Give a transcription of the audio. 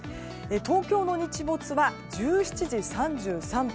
東京の日没は１７時３３分。